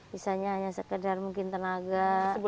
misalnya hanya sekedar mungkin tenaga